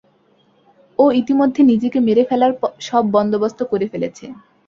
ও ইতিমধ্যে নিজেকে মেরে ফেলার সব বন্দোবস্ত করে ফেলেছে।